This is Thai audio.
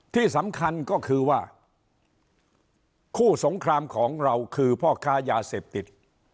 ที่สำคัญก็คือว่าคู่สงครามของเราคือพ่อค้ายาเสพติด